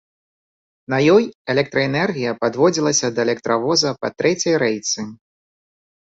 На ёй электраэнергія падводзілася да электравоза па трэцяй рэйцы.